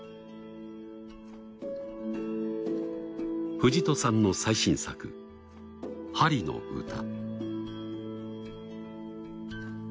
藤戸さんの最新作『針の歌』。